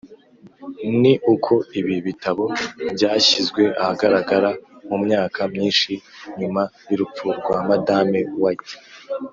ni uko ibi bitabo byashyizwe ahagaragara mu myaka myinshi nyuma y’urupfu rwa madame White